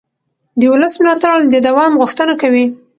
د ولس ملاتړ د دوام غوښتنه کوي